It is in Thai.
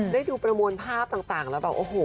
ได้ดูประมวลภาพต่างแล้วแบบโอ้โห